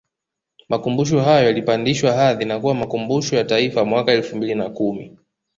makumbusho hayo yalipandishwa hadhi na kuwa Makumbusho ya Taifa mwaka elfu mbili na kumi